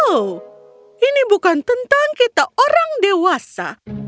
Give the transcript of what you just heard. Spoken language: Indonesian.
oh ini bukan tentang kita orang dewasa